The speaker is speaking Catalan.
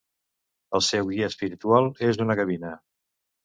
El seu guia espiritual és una gavina.